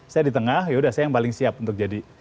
saya di tengah yaudah saya yang paling siap untuk jadi